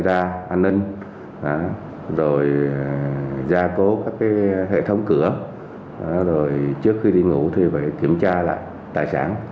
ra cố các hệ thống cửa rồi trước khi đi ngủ thì phải kiểm tra lại tài sản